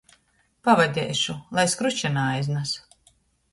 Pavadeišu, lai skruča naaiznas.